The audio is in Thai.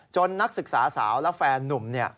จนนักศึกษาสาวและแฟนนุ่มเนี่ย